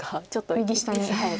右下に。